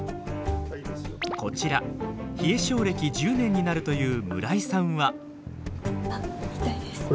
こちら冷え症歴１０年になるという村井さんは。